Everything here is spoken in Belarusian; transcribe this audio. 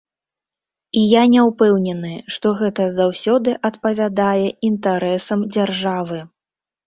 І я не ўпэўнены, што гэта заўсёды адпавядае інтарэсам дзяржавы.